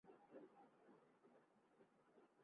রাবিয়া লাহোর, পাকিস্তান-এ জন্মগ্রহণ করেন।